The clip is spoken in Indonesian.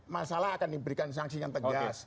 masalah akan diberikan sanksi yang tegas